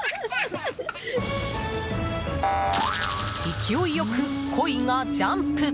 勢いよくコイがジャンプ！